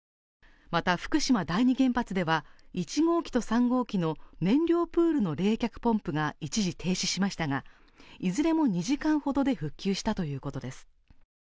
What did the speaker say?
また福島第２原発では、１号機と３号機の燃料プールの冷却ポンプが一時停止しましたがいずれも２時間ほどで復旧したということです。